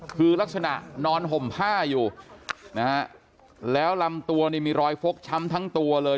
คือลักษณะนอนห่มผ้าอยู่นะฮะแล้วลำตัวนี่มีรอยฟกช้ำทั้งตัวเลย